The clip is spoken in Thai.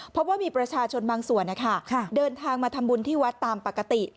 พบว่ามีประชาชนบางส่วนเดินทางมาทำบุญที่วัดตามปกติ